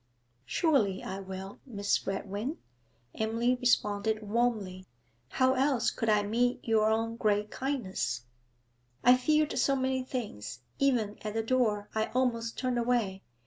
'Surely I will, Miss Redwing,' Emily responded warmly. 'How else could I meet your own great kindness?' 'I feared so many things; even at the door I almost turned away.